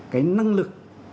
cái năng lực